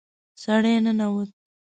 سړی ننوت.